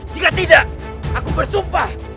jika tidak aku bersumpah